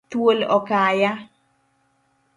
Thuol okaya.